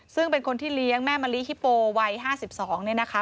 ซึ่งเป็นคนที่เลี้ยงแม่มะลิฮิโปวัย๕๒เนี่ยนะคะ